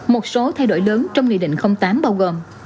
một số thay đổi lớn trong nghị định tám bao gồm